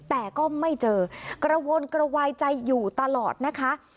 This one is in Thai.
แต่ก็ไม่เจอกระวนกระวายใจอยู่ตลอดนะคะ